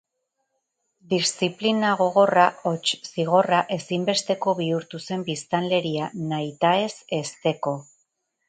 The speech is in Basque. Diziplina gogorra, hots, zigorra, ezinbesteko bihurtu zen biztanleria nahitaez hezteko.